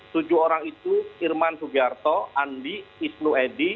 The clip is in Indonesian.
tujuh orang itu irman sugiharto andi isnu edi